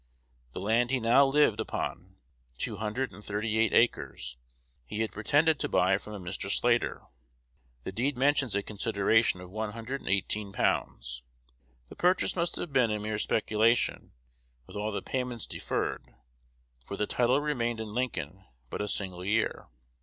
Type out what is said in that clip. The land he now lived upon (two hundred and thirty eight acres) he had pretended to buy from a Mr. Slater. The deed mentions a consideration of one hundred and eighteen pounds. The purchase must have been a mere speculation, with all the payments deferred, for the title remained in Lincoln but a single year.